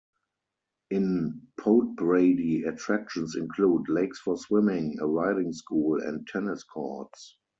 In Podebrady attractions include lakes for swimming, a riding school and tennis courts.